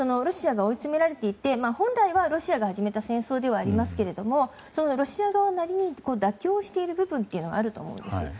ロシアが追い詰められていて本来はロシアが始めた戦争ではありますけれどもロシア側なりに妥協している部分というのはあると思うんです。